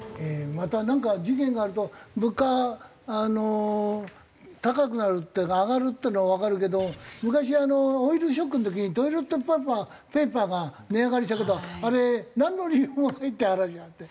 またなんか事件があると物価高くなるっていうか上がるっていうのはわかるけど昔オイルショックの時にトイレットペーパーが値上がりしたけどあれなんの理由もないって話があって。